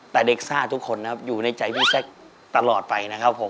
แต่เด็กซ่าทุกคนนะครับอยู่ในใจพี่แซคตลอดไปนะครับผม